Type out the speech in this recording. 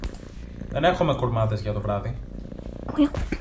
Δεν έχομε κουρμάδες για το βράδυ.